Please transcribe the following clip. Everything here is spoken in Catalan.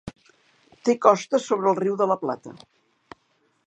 Té costes sobre el Riu de la Plata.